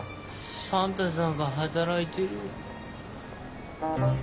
サンタさんが働いてる。